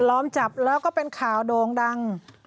ล้อมจับแล้วก็เป็นข่าวโด่งดัง